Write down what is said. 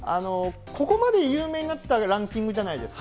ここまで有名になったランキングじゃないですか。